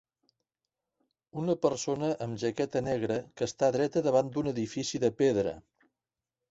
Una persona amb jaqueta negra que esta dreta davant d'un edifici de pedra.